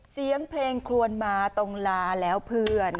เสียงเพลงควรมาต้องลาแล้วเพื่อน